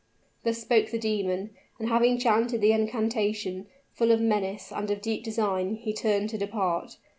Thus spoke the demon; and having chanted the incantation, full of menace and of deep design, he turned to depart.